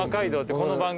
この番組で。